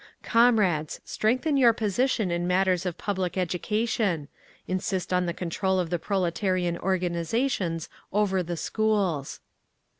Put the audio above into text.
"Comrades, strengthen your position in matters of public education, insist on the control of the proletarian organisations over the schools."